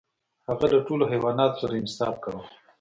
هغه له ټولو حیواناتو سره انصاف کاوه.